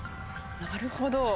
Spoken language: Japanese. なるほど。